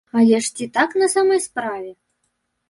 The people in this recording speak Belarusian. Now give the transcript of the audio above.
Але ж ці так на самай справе?